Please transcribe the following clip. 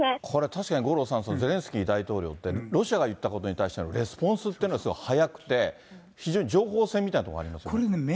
これ、例えば五郎さん、ゼレンスキー大統領って、ロシアが言ったことに対するレスポンスっていうのが早くて、非常に情報戦みたいなところがありますよね。